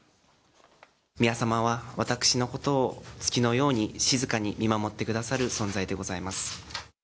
宮さまは私のことを月のように静かに見守ってくださる存在でございます。